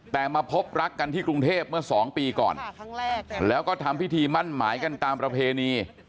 แต่มาพบรักกันที่กรุงเทพเมื่อ๒ปีก่อนแล้วก็ทำพิธีมั่นหมายกันตามประเพณี